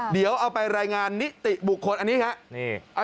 เดี๋ยวเอาไปรายงานนิติบุคคลอันนี้ครับ